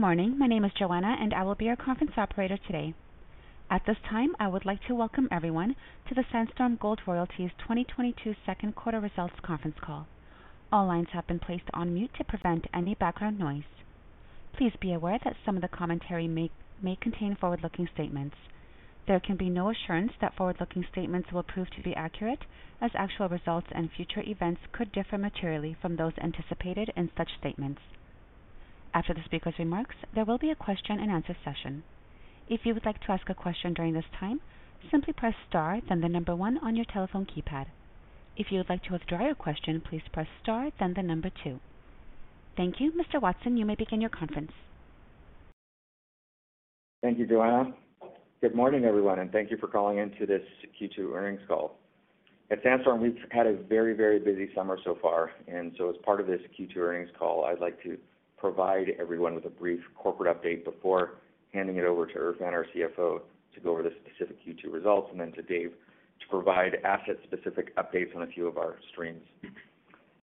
Good morning. My name is Joanna, and I will be your conference operator today. At this time, I would like to welcome everyone to the Sandstorm Gold Royalties 2022 second quarter results conference call. All lines have been placed on mute to prevent any background noise. Please be aware that some of the commentary may contain forward-looking statements. There can be no assurance that forward-looking statements will prove to be accurate, as actual results and future events could differ materially from those anticipated in such statements. After the speaker's remarks, there will be a question-and-answer session. If you would like to ask a question during this time, simply press star then the number one on your telephone keypad. If you would like to withdraw your question, please press star then the number two. Thank you. Mr. Watson, you may begin your conference. Thank you, Joanna. Good morning, everyone, and thank you for calling in to this Q2 earnings call. At Sandstorm, we've had a very, very busy summer so far, and so as part of this Q2 earnings call, I'd like to provide everyone with a brief corporate update before handing it over to Erfan, our CFO, to go over the specific Q2 results and then to Dave to provide asset-specific updates on a few of our streams.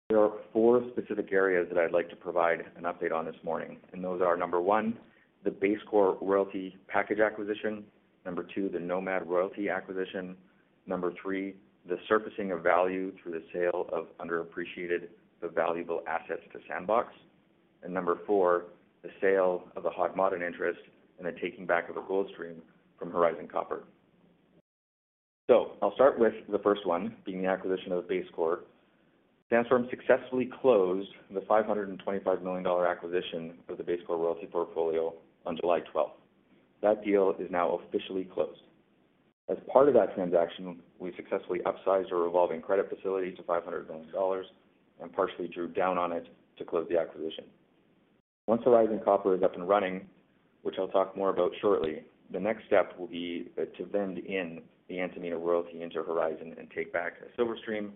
There are four specific areas that I'd like to provide an update on this morning, and those are, number 1, the BaseCore royalty package acquisition, number 2, the Nomad royalty acquisition, number 3, the surfacing of value through the sale of underappreciated but valuable assets to Sandbox, and number 4, the sale of the Hod Maden interest and the taking back of a gold stream from Horizon Copper. I'll start with the first one, being the acquisition of BaseCore. Sandstorm successfully closed the $525 million acquisition of the BaseCore royalty portfolio on July 12th. That deal is now officially closed. As part of that transaction, we successfully upsized our revolving credit facility to $500 million and partially drew down on it to close the acquisition. Once Horizon Copper is up and running, which I'll talk more about shortly, the next step will be to vend in the Antamina royalty into Horizon and take back a silver stream,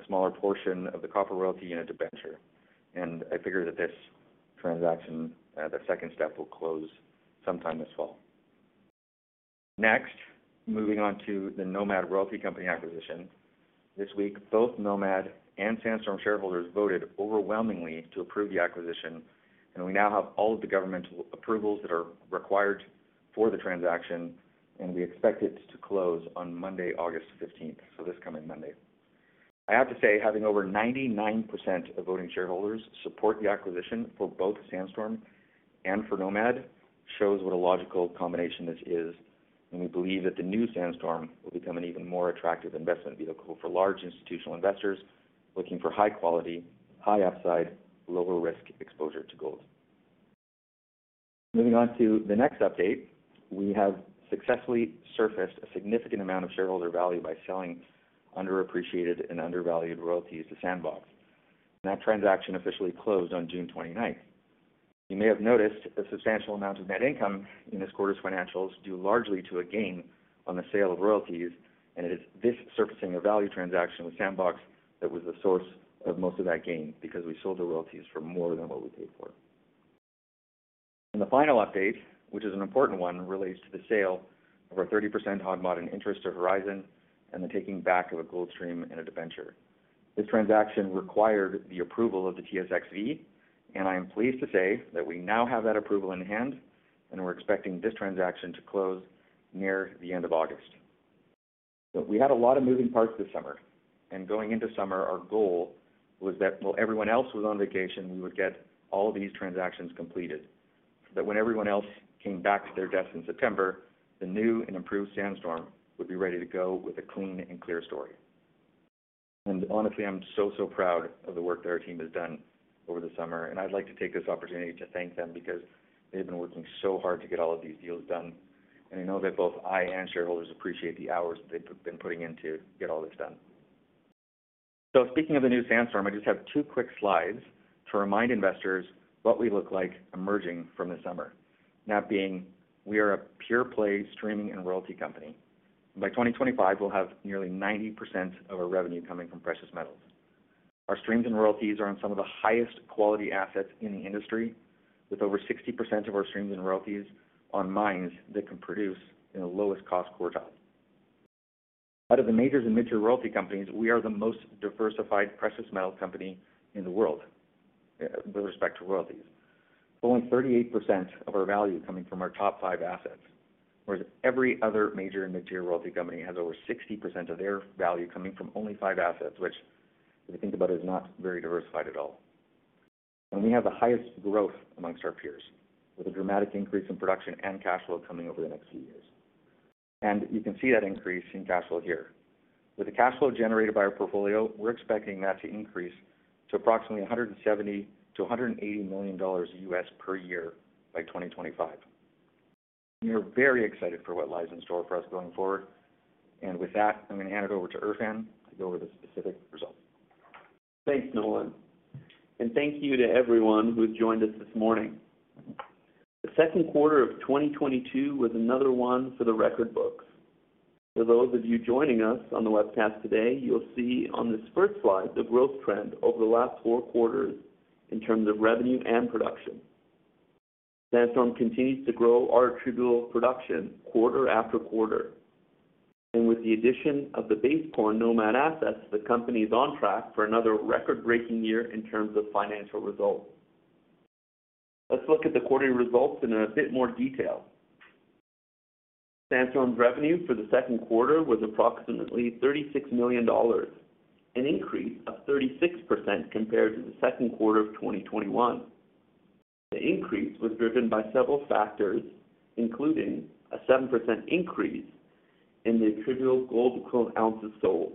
a smaller portion of the copper royalty and a debenture. I figure that this transaction, the second step, will close sometime this fall. Next, moving on to the Nomad Royalty Company acquisition. This week, both Nomad and Sandstorm shareholders voted overwhelmingly to approve the acquisition, and we now have all of the governmental approvals that are required for the transaction, and we expect it to close on Monday, August 15th, so this coming Monday. I have to say, having over 99% of voting shareholders support the acquisition for both Sandstorm and for Nomad shows what a logical combination this is, and we believe that the new Sandstorm will become an even more attractive investment vehicle for large institutional investors looking for high quality, high upside, lower risk exposure to gold. Moving on to the next update. We have successfully surfaced a significant amount of shareholder value by selling underappreciated and undervalued royalties to Sandbox, and that transaction officially closed on June 29th. You may have noticed a substantial amount of net income in this quarter's financials, due largely to a gain on the sale of royalties, and it is this surfacing of value transaction with Sandbox that was the source of most of that gain, because we sold the royalties for more than what we paid for. The final update, which is an important one, relates to the sale of our 30% Hod Maden interest to Horizon and the taking back of a gold stream and a debenture. This transaction required the approval of the TSXV, and I am pleased to say that we now have that approval in hand, and we're expecting this transaction to close near the end of August. We had a lot of moving parts this summer, and going into summer, our goal was that while everyone else was on vacation, we would get all of these transactions completed, so that when everyone else came back to their desks in September, the new and improved Sandstorm would be ready to go with a clean and clear story. Honestly, I'm so proud of the work that our team has done over the summer, and I'd like to take this opportunity to thank them because they've been working so hard to get all of these deals done. I know that both I and shareholders appreciate the hours that they've been putting in to get all this done. Speaking of the new Sandstorm, I just have two quick slides to remind investors what we look like emerging from the summer. That being, we are a pure-play streaming and royalty company. By 2025, we'll have nearly 90% of our revenue coming from precious metals. Our streams and royalties are on some of the highest quality assets in the industry, with over 60% of our streams and royalties on mines that can produce in the lowest cost quartile. Out of the majors and mid-tier royalty companies, we are the most diversified precious metal company in the world with respect to royalties, with only 38% of our value coming from our top 5 assets, whereas every other major and mid-tier royalty company has over 60% of their value coming from only 5 assets, which, if you think about, it is not very diversified at all. We have the highest growth among our peers, with a dramatic increase in production and cash flow coming over the next few years. You can see that increase in cash flow here. With the cash flow generated by our portfolio, we're expecting that to increase to approximately $170 million-$180 million per year by 2025. We are very excited for what lies in store for us going forward. With that, I'm going to hand it over to Erfan to go over the specific results. Thanks, Nolan, and thank you to everyone who joined us this morning. The second quarter of 2022 was another one for the record books. For those of you joining us on the webcast today, you'll see on this first slide the growth trend over the last four quarters in terms of revenue and production. Sandstorm continues to grow our attributable production quarter after quarter. With the addition of the BaseCore Nomad assets, the company is on track for another record-breaking year in terms of financial results. Let's look at the quarterly results in a bit more detail. Sandstorm's revenue for the second quarter was approximately $36 million, an increase of 36% compared to the second quarter of 2021. The increase was driven by several factors, including a 7% increase in the attributable gold equivalent ounces sold,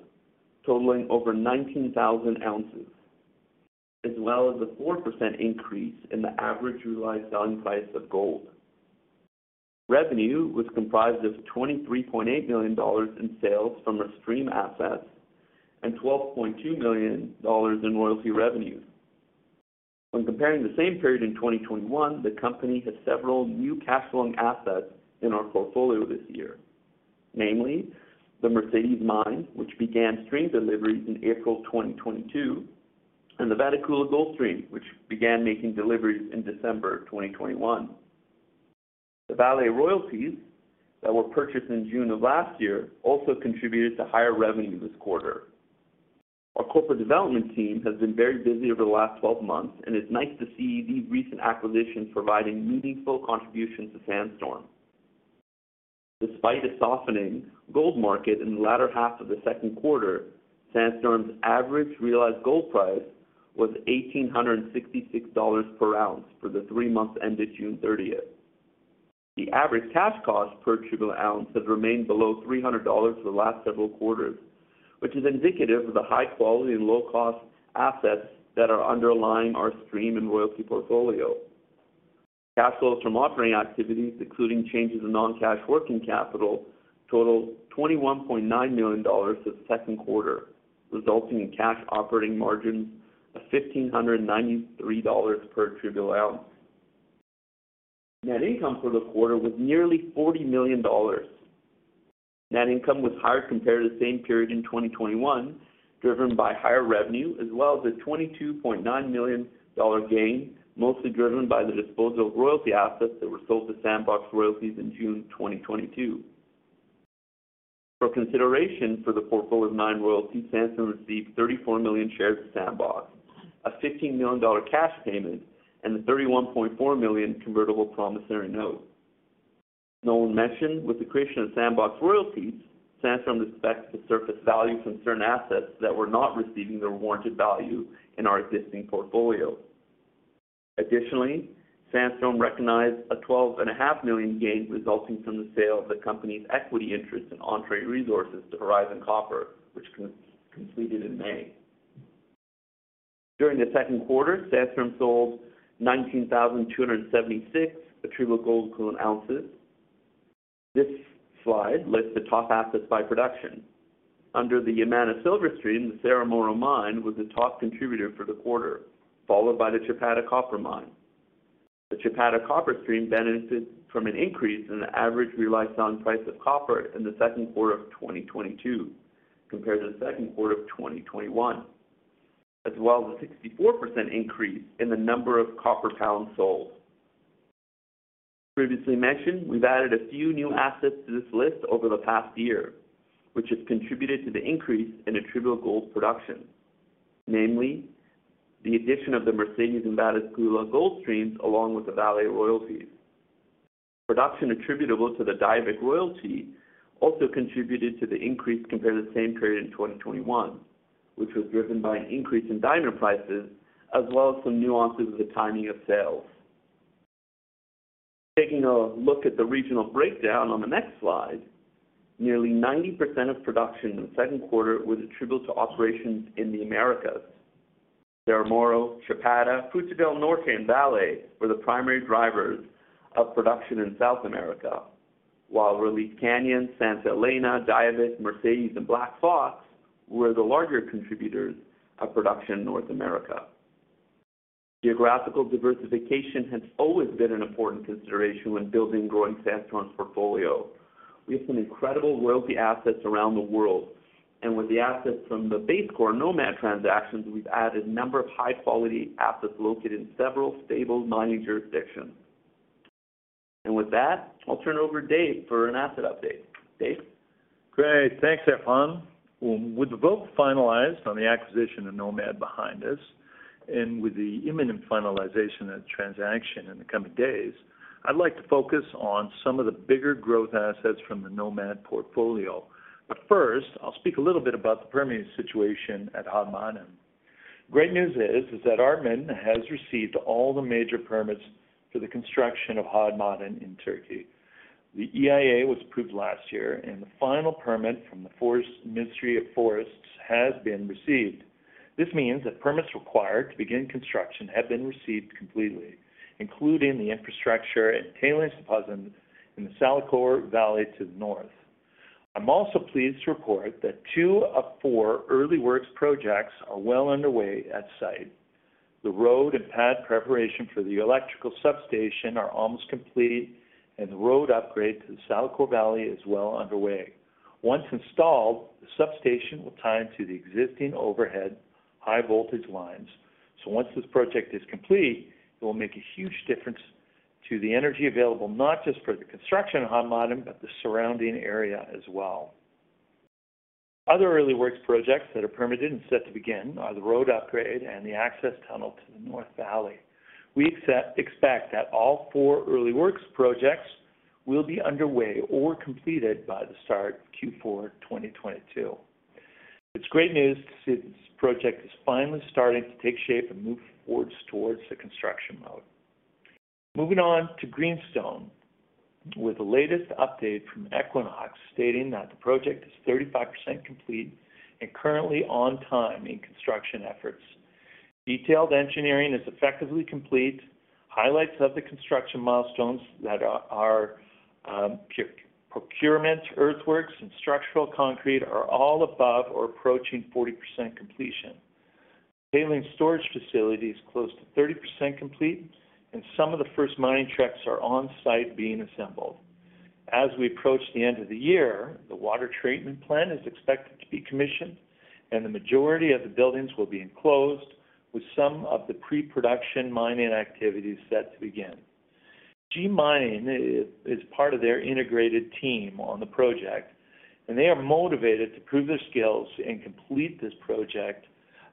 totaling over 19,000 ounces, as well as a 4% increase in the average realized selling price of gold. Revenue was comprised of $23.8 million in sales from our stream assets and $12.2 million in royalty revenue. When comparing the same period in 2021, the company has several new cash flowing assets in our portfolio this year, namely the Mercedes Mine, which began stream deliveries in April 2022, and the Vatukoula Gold Stream, which began making deliveries in December of 2021. The Vale royalties that were purchased in June of last year also contributed to higher revenue this quarter. Our corporate development team has been very busy over the last 12 months, and it's nice to see these recent acquisitions providing meaningful contribution to Sandstorm. Despite a softening gold market in the latter half of the second quarter, Sandstorm's average realized gold price was $1,866 per ounce for the three months ended June 30th. The average cash cost per attributable ounce has remained below $300 for the last several quarters, which is indicative of the high quality and low cost assets that are underlying our stream and royalty portfolio. Cash flows from operating activities, including changes in non-cash working capital, totaled $21.9 million for the second quarter, resulting in cash operating margin of $1,593 per attributable ounce. Net income for the quarter was nearly $40 million. Net income was higher compared to the same period in 2021, driven by higher revenue as well as a $22.9 million gain, mostly driven by the disposal of royalty assets that were sold to Sandbox Royalties in June 2022. For consideration for the portfolio of nine royalties, Sandstorm received 34 million shares of Sandbox, a $15 million cash payment, and the $31.4 million convertible promissory note. As Nolan mentioned, with the creation of Sandbox Royalties, Sandstorm expects to surface value from certain assets that were not receiving their warranted value in our existing portfolio. Additionally, Sandstorm recognized a $12.5 million gain resulting from the sale of the company's equity interest in Entrée Resources to Horizon Copper, which completed in May. During the second quarter, Sandstorm sold 19,276 attributable gold equivalent ounces. This slide lists the top assets by production. Under the Yamana silver stream, the Cerro Moro Mine was the top contributor for the quarter, followed by the Chapada Copper Mine. The Chapada Copper Stream benefited from an increase in the average realized on price of copper in the second quarter of 2022 compared to the second quarter of 2021, as well as a 64% increase in the number of copper pounds sold. Previously mentioned, we've added a few new assets to this list over the past year, which has contributed to the increase in attributable gold production, namely the addition of the Mercedes and Vatukoula gold streams, along with the Vale royalties. Production attributable to the Diavik royalty also contributed to the increase compared to the same period in 2021, which was driven by an increase in diamond prices as well as some nuances of the timing of sales. Taking a look at the regional breakdown on the next slide, nearly 90% of production in the second quarter was attributable to operations in the Americas. Cerro Moro, Chapada, Fruta del Norte, and Vale were the primary drivers of production in South America, while Relief Canyon, Santa Elena, Diavik, Mercedes, and Black Fox were the larger contributors of production in North America. Geographical diversification has always been an important consideration when building growing Sandstorm's portfolio. We have some incredible royalty assets around the world, and with the assets from the BaseCore Nomad transactions, we've added a number of high-quality assets located in several stable mining jurisdictions. With that, I'll turn it over to Dave for an asset update. Dave? Great. Thanks, Erfan. Well, with the vote finalized on the acquisition of Nomad behind us and with the imminent finalization of the transaction in the coming days, I'd like to focus on some of the bigger growth assets from the Nomad portfolio. First, I'll speak a little bit about the permitting situation at Hod Maden. Great news is that Artmin has received all the major permits for the construction of Hod Maden in Turkey. The EIA was approved last year, and the final permit from the Ministry of Forests has been received. This means that permits required to begin construction have been received completely, including the infrastructure and tailings deposit in the Salicor Valley to the north. I'm also pleased to report that two of four early works projects are well underway at site. The road and pad preparation for the electrical substation are almost complete, and the road upgrade to the Salicor Valley is well underway. Once installed, the substation will tie into the existing overhead high voltage lines. Once this project is complete, it will make a huge difference into the energy available, not just for the construction of Hod Maden, but the surrounding area as well. Other early works projects that are permitted and set to begin are the road upgrade and the access tunnel to the North Valley. We expect that all four early works projects will be underway or completed by the start Q4 2022. It's great news to see this project is finally starting to take shape and move forward towards the construction mode. Moving on to Greenstone with the latest update from Equinox Gold stating that the project is 35% complete and currently on time in construction efforts. Detailed engineering is effectively complete. Highlights of the construction milestones that are procurement, earthworks, and structural concrete are all above or approaching 40% completion. Tailings storage facility is close to 30% complete, and some of the first mining trucks are on-site being assembled. As we approach the end of the year, the water treatment plant is expected to be commissioned, and the majority of the buildings will be enclosed, with some of the pre-production mining activities set to begin. G Mining is part of their integrated team on the project, and they are motivated to prove their skills and complete this project,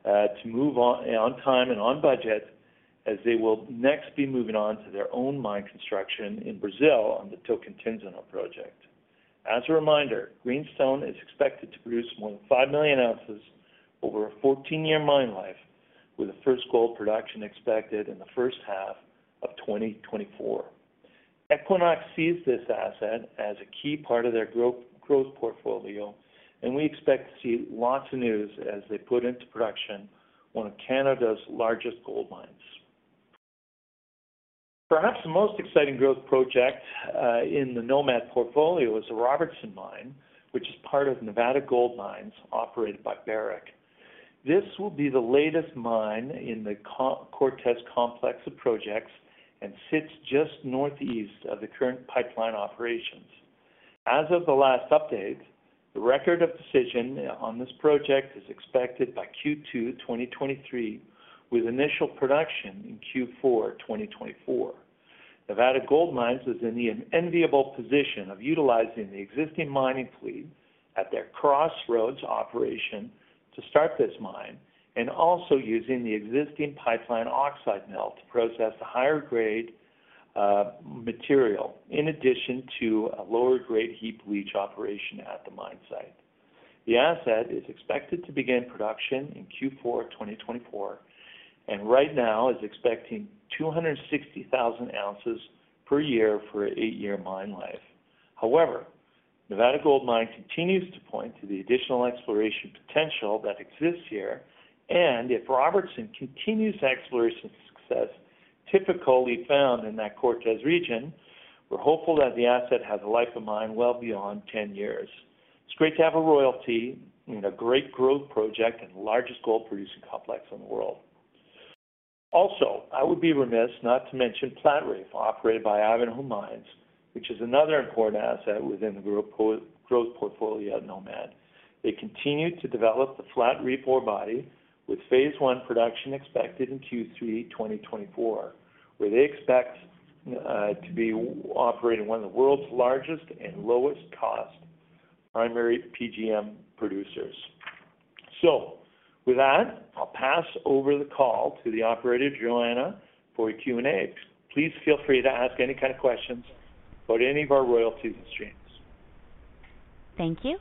to move on time and on budget as they will next be moving on to their own mine construction in Brazil on the Tocantinzinho project. As a reminder, Greenstone is expected to produce more than 5 million ounces over a 14-year mine life, with the first gold production expected in the first half of 2024. Equinox sees this asset as a key part of their growth portfolio, and we expect to see lots of news as they put into production one of Canada's largest gold mines. Perhaps the most exciting growth project in the Nomad portfolio is the Robertson Mine, which is part of Nevada Gold Mines operated by Barrick. This will be the latest mine in the Cortez complex of projects and sits just northeast of the current pipeline operations. As of the last update, the Record of Decision on this project is expected by Q2 2023, with initial production in Q4 2024. Nevada Gold Mines is in the enviable position of utilizing the existing mining fleet at their Crossroads operation to start this mine and also using the existing pipeline oxide mill to process the higher grade material, in addition to a lower grade heap leach operation at the mine site. The asset is expected to begin production in Q4 2024 and right now is expecting 260,000 ounces per year for an 8-year mine life. However, Nevada Gold Mines continues to point to the additional exploration potential that exists here, and if Robertson continues exploration success typically found in that Cortez region, we're hopeful that the asset has a life of mine well beyond 10 years. It's great to have a royalty in a great growth project and the largest gold-producing complex in the world. Also, I would be remiss not to mention Platreef operated by Ivanhoe Mines, which is another important asset within the growth portfolio at Nomad. They continue to develop the Platreef ore body with phase one production expected in Q3 2024, where they expect to be operating one of the world's largest and lowest cost primary PGM producers. With that, I'll pass over the call to the operator, Joanna, for a Q&A. Please feel free to ask any kind of questions about any of our royalties and streams. Thank you.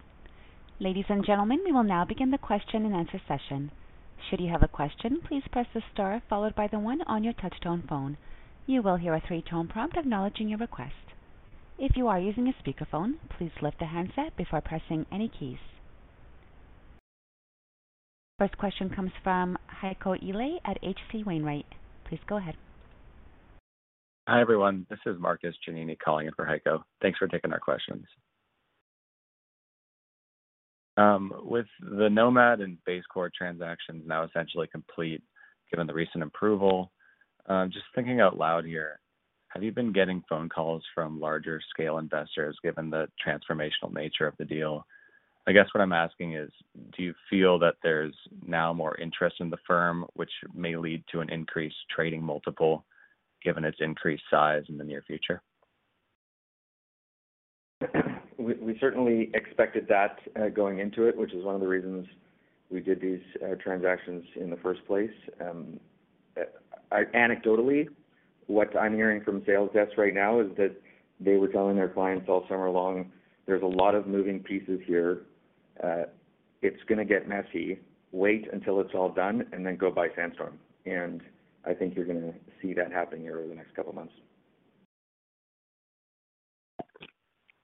Ladies and gentlemen, we will now begin the question-and-answer session. Should you have a question, please press the star followed by the one on your touchtone phone. You will hear a three-tone prompt acknowledging your request. If you are using a speakerphone, please lift the handset before pressing any keys. First question comes from Heiko Ihle at H.C. Wainwright. Please go ahead. Hi, everyone. This is Marcus Giannini calling in for Heiko. Thanks for taking our questions. With the Nomad and BaseCore transaction now essentially complete, given the recent approval, just thinking out loud here, have you been getting phone calls from larger scale investors given the transformational nature of the deal? I guess what I'm asking is, do you feel that there's now more interest in the firm which may lead to an increased trading multiple given its increased size in the near future? We certainly expected that, going into it, which is one of the reasons we did these transactions in the first place. Anecdotally, what I'm hearing from sales desks right now is that they were telling their clients all summer long, there's a lot of moving pieces here. It's gonna get messy. Wait until it's all done and then go buy Sandstorm. I think you're gonna see that happen here over the next couple of months.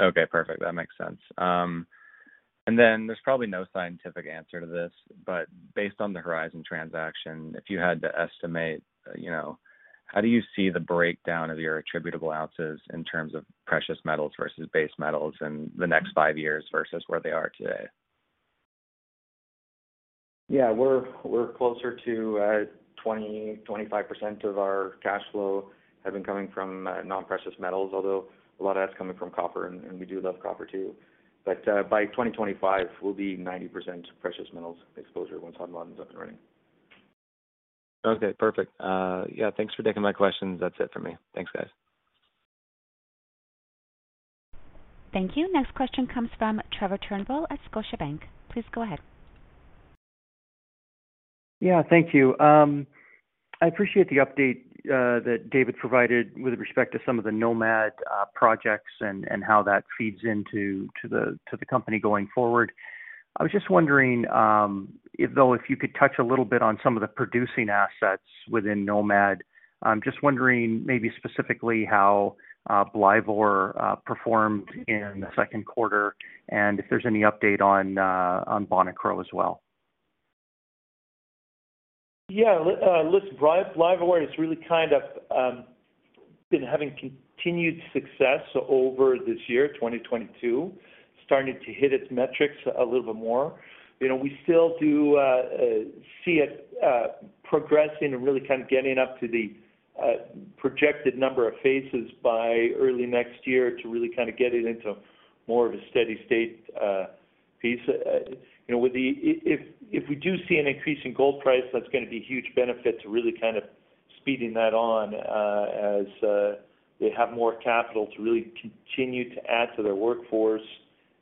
Okay, perfect. That makes sense. There's probably no scientific answer to this, but based on the Horizon transaction, if you had to estimate, you know, how do you see the breakdown of your attributable ounces in terms of precious metals versus base metals in the next five years versus where they are today? We're closer to 25% of our cash flow coming from non-precious metals, although a lot of that's coming from copper, and we do love copper, too. By 2025, we'll be 90% precious metals exposure once Hod Maden is up and running. Okay, perfect. Yeah, thanks for taking my questions. That's it for me. Thanks, guys. Thank you. Next question comes from Trevor Turnbull at Scotiabank. Please go ahead. Yeah, thank you. I appreciate the update that David provided with respect to some of the Nomad projects and how that feeds into the company going forward. I was just wondering if you could touch a little bit on some of the producing assets within Nomad. I'm just wondering maybe specifically how Blyvoor performed in the second quarter and if there's any update on Bonikro as well. Yeah. Listen, Blyvoor is really kind of been having continued success over this year, 2022. Starting to hit its metrics a little bit more. You know, we still do see it progressing and really kind of getting up to the projected number of phases by early next year to really kind of get it into more of a steady state pace. You know, if we do see an increase in gold price, that's gonna be a huge benefit to really kind of speeding that up, as they have more capital to really continue to add to their workforce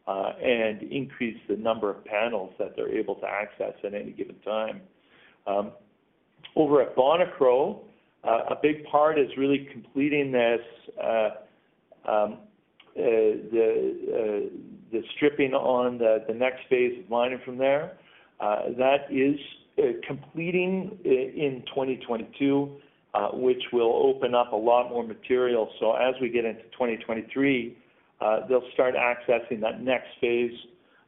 and increase the number of panels that they're able to access at any given time. Over at Bonikro, a big part is really completing this, the stripping on the next phase of mining from there. That is completing in 2022, which will open up a lot more material. As we get into 2023, they'll start accessing that next phase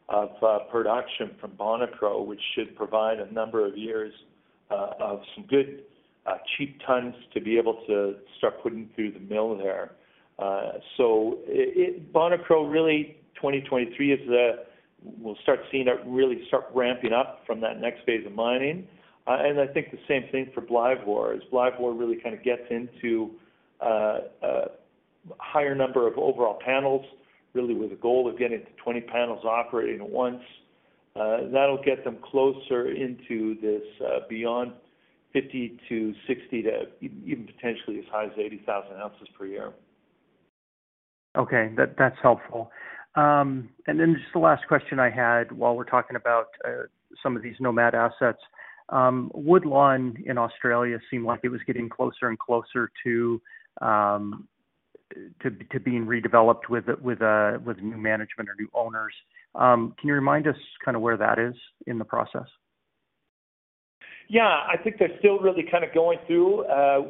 of production from Bonikro, which should provide a number of years of some good cheap tons to be able to start putting through the mill there. Bonikro really 2023 is the, we'll start seeing that really start ramping up from that next phase of mining. I think the same thing for Blyvoor as Blyvoor really kind of gets into a higher number of overall panels, really with a goal of getting to 20 panels operating at once. That'll get them closer into this, beyond 50,000-60,000 to even potentially as high as 80,000 ounces per year. Okay. That's helpful. Just the last question I had, while we're talking about some of these Nomad assets. Woodlawn in Australia seemed like it was getting closer and closer to being redeveloped with new management or new owners. Can you remind us kind of where that is in the process? Yeah, I think they're still really kind of going through. I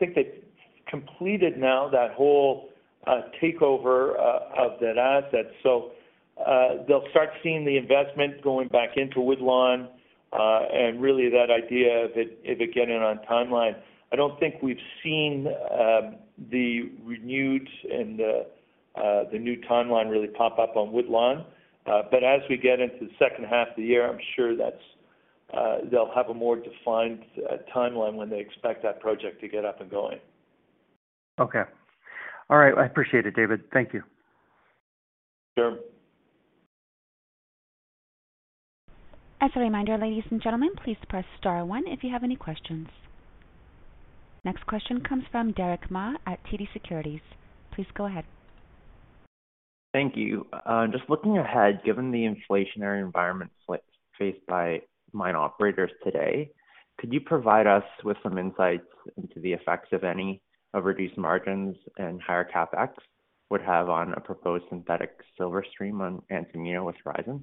think they've completed now that whole takeover of that asset. They'll start seeing the investment going back into Woodlawn, and really that idea of it getting on timeline. I don't think we've seen the renewed and the new timeline really pop up on Woodlawn. As we get into the second half of the year, I'm sure they'll have a more defined timeline when they expect that project to get up and going. Okay. All right. I appreciate it, David. Thank you. Sure. As a reminder, ladies and gentlemen, please press star one if you have any questions. Next question comes from Derick Ma at TD Securities. Please go ahead. Thank you. Just looking ahead, given the inflationary environment faced by mine operators today, could you provide us with some insights into the effects of any of reduced margins and higher CapEx would have on a proposed synthetic silver stream on Antamina with Horizon?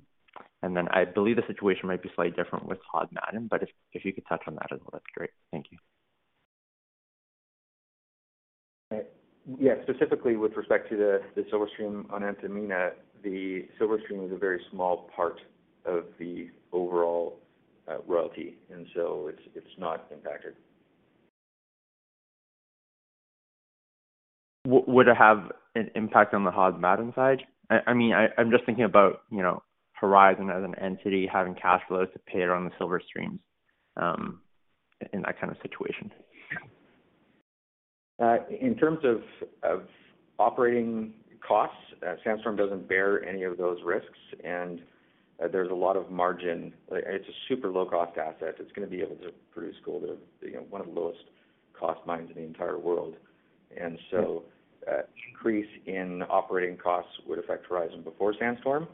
Then I believe the situation might be slightly different with Hod Maden, but if you could touch on that as well, that's great. Thank you. Yeah. Specifically with respect to the silver stream on Antamina, the silver stream is a very small part of the overall royalty, and so it's not impacted. Would it have an impact on the Hod Maden side? I mean, I'm just thinking about, you know, Horizon as an entity having cash flows to pay on the silver streams, in that kind of situation. In terms of operating costs, Sandstorm doesn't bear any of those risks, and there's a lot of margin. It's a super low cost asset. It's gonna be able to produce gold at, you know, one of the lowest cost mines in the entire world. Increase in operating costs would affect Horizon before Sandstorm.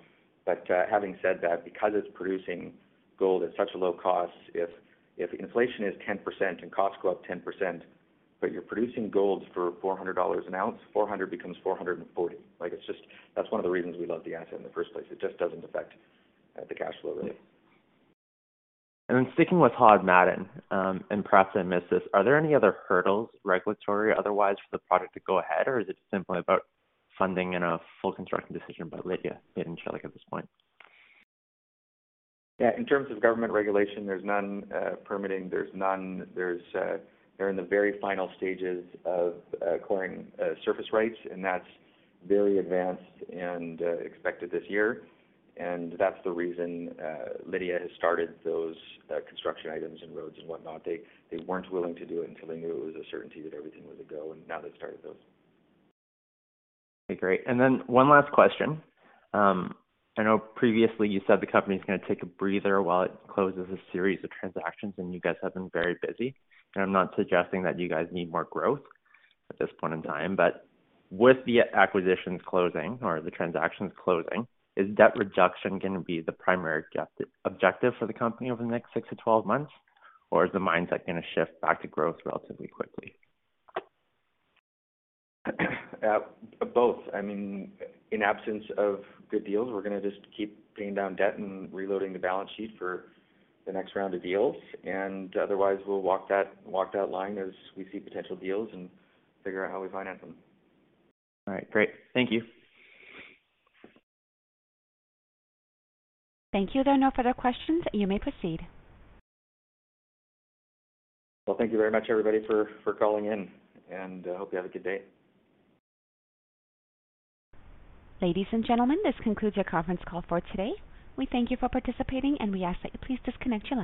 Having said that, because it's producing gold at such a low cost, if inflation is 10% and costs go up 10%, but you're producing gold for $400 an ounce, $400 becomes $440. Like, it's just. That's one of the reasons we love the asset in the first place. It just doesn't affect the cash flow really. Sticking with Hod Maden, and perhaps I missed this, are there any other hurdles, regulatory or otherwise, for the project to go ahead? Or is it simply about funding and a full construction decision by Lidya Madencilik at this point? Yeah. In terms of government regulation, there's none permitting, there's none. They're in the very final stages of acquiring surface rights, and that's very advanced and expected this year. That's the reason Lidya has started those construction items and roads and whatnot. They weren't willing to do it until they knew it was a certainty that everything was a go, and now they've started those. Okay, great. Then one last question. I know previously you said the company's gonna take a breather while it closes a series of transactions, and you guys have been very busy. I'm not suggesting that you guys need more growth at this point in time, but with the acquisitions closing or the transactions closing, is debt reduction gonna be the primary objective for the company over the next 6-12 months? Is the mindset gonna shift back to growth relatively quickly? Both. I mean, in absence of good deals, we're gonna just keep paying down debt and reloading the balance sheet for the next round of deals. Otherwise, we'll walk that line as we see potential deals and figure out how we finance them. All right, great. Thank you. Thank you. There are no further questions. You may proceed. Well, thank you very much, everybody for calling in, and hope you have a good day. Ladies and gentlemen, this concludes your conference call for today. We thank you for participating, and we ask that you please disconnect your lines.